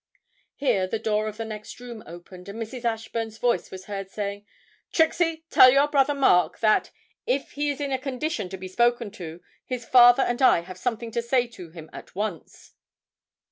Here the door of the next room opened, and Mrs. Ashburn's voice was heard saying, 'Trixie, tell your brother Mark that, if he is in a condition to be spoken to, his father and I have something to say to him at once.'